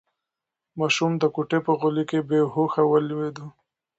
ماشوم د کوټې په غولي کې بې هوښه ولوېد.